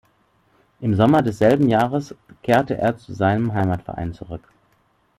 Im Sommer desselben Jahres kehrte er zu seinem Heimatverein zurück.